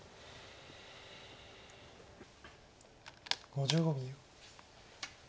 ５５秒。